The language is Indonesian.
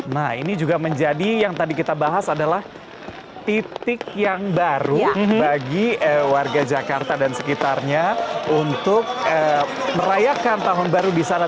nah ini juga menjadi yang tadi kita bahas adalah titik yang baru bagi warga jakarta dan sekitarnya untuk merayakan tahun baru di sana